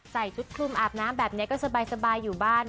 ใส่ชุดคลุมอาบน้ำแบบนี้ก็สบายอยู่บ้าน